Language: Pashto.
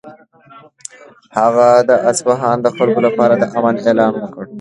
هغه د اصفهان د خلکو لپاره د امن اعلان وکړ.